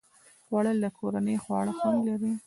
خوړل د کورني خواړو خوند لري